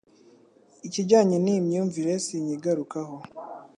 ikijyanye n'iyi myumvire sinkigarukaho